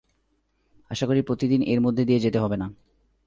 আশা করি প্রতিদিন এর মধ্য দিয়ে যেতে হবে না।